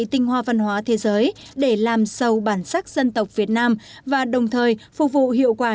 tinh hoa văn hóa thế giới để làm sâu bản sắc dân tộc việt nam và đồng thời phục vụ hiệu quả